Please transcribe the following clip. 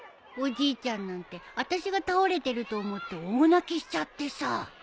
おじいちゃんなんてあたしが倒れてると思って大泣きしちゃってさ。